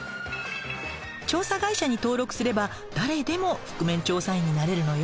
調査会社に登録すれば誰でも覆面調査員になれるのよ。